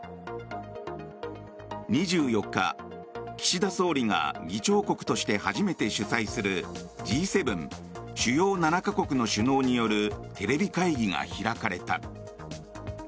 ２４日、岸田総理が議長国として初めて主催するＧ７・主要７か国の首脳によるテレビ会議が開かれた。